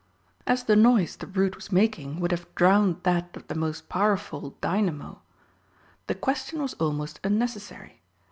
As the noise the brute was making would have drowned that of the most powerful dynamo, the question was almost unnecessary.